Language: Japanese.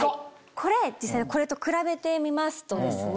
これ実際にこれと比べてみますとですね